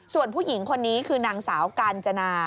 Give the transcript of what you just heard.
ส่วนผู้หญิงคนนี้คือนางสาวกาญจนา